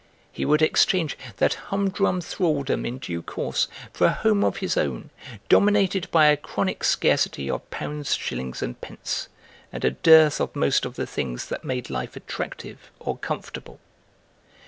He would exchange that humdrum thraldom in due course for a home of his own, dominated by a chronic scarcity of pounds, shillings, and pence, and a dearth of most of the things that made life attractive or comfortable.